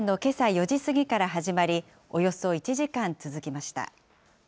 ４時過ぎから始まり、およそ１時間続きました。